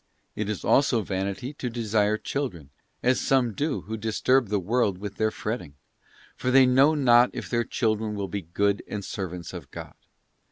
It is also vanity to desire children; as some do who disturb the world with their fretting; for they know not if their children will be good and servants of God.